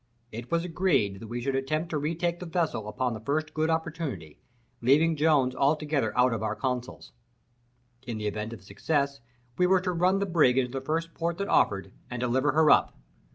It was agreed that we should attempt to retake the vessel upon the first good opportunity, leaving Jones altogether out of our councils. In the event of success, we were to run the brig into the first port that offered, and deliver her up.